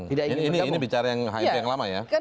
ini bicara yang lama ya